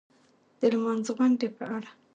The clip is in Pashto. د لمانځغونډې په اړه